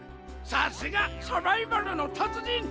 さすがサバイバルの達人！